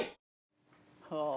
はあ。